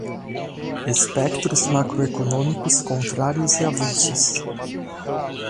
Espectros macroeconômicos contrários e avulsos